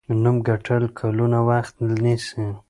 نوم ګټل کلونه وخت نیسي.